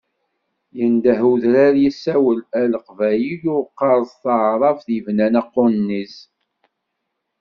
Yendeh udrar yessawel, a Leqbayel ur qqaret, taɛrabt yebnan aqunniz.